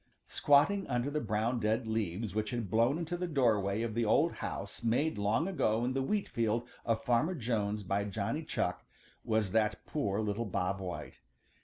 = |SQUATTING under the brown dead leaves which had blown into the doorway of the old house made long ago in the wheat field of Farmer Jones by Johnny Chuck was that poor little Bob White.